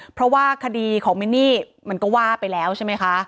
เพราะว่าคดีของมินนี่มันก็ว่าไปแล้วใช่ไหมคะ